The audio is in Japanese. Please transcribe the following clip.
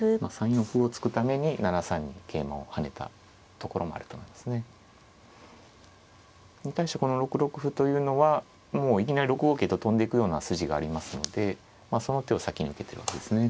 ３四歩を突くために７三に桂馬を跳ねたところもあると思いますね。に対してこの６六歩というのはもういきなり６五桂と跳んでいくような筋がありますのでその手を先に受けてるわけですね。